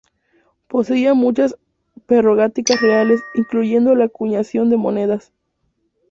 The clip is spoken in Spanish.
Poseía muchas prerrogativas reales, incluyendo la acuñación de monedas.